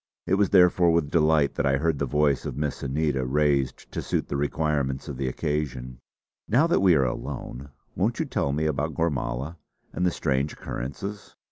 It was therefore, with delight that I heard the voice of Miss Anita, raised to suit the requirements of the occasion: "Now that we are alone, won't you tell me about Gormala and the strange occurrences?"